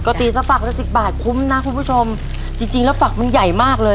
ปกติถ้าฝักละสิบบาทคุ้มนะคุณผู้ชมจริงจริงแล้วฝักมันใหญ่มากเลย